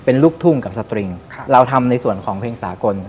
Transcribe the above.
เป็นลูกทุ่งกับสตริงเราทำในส่วนของเพลงสากล